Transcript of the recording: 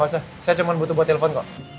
saya cuma butuh buat telepon kok